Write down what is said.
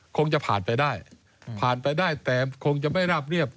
คงจะผ่านไปได้ผ่านไปได้แต่คงจะไม่ราบเรียบ